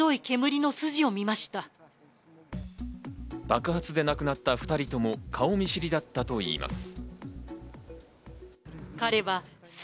爆発で亡くなった２人とも顔見知りだったといいます。